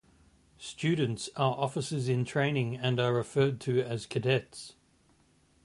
Students are officers-in-training and are referred to as cadets.